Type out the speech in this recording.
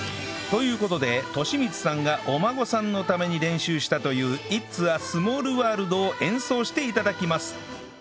という事で敏光さんがお孫さんのために練習したという『イッツ・ア・スモールワールド』を演奏して頂きます